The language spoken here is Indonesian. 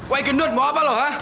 woy gendut mau apa lo